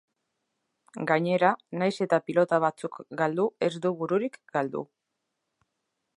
Gainera, nahiz eta pilota batzuk galdu ez du bururik galdu.